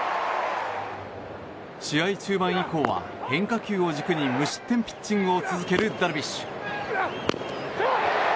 試合中盤以降は変化球を軸に無失点ピッチングを続けるダルビッシュ。